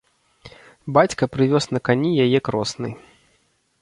Бацька прывёз на кані яе кросны.